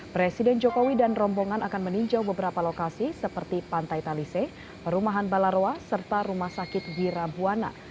presiden jokowi dan rombongan akan meninjau beberapa lokasi seperti pantai talise perumahan balaroa serta rumah sakit girabuana